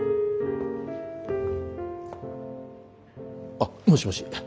あっもしもし